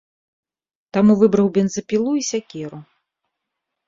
Таму выбраў бензапілу і сякеру.